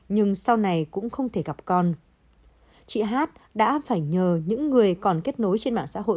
nhưng sau này cũng không thể gặp con chị hát đã phải nhờ những người còn kết nối trên mạng xã hội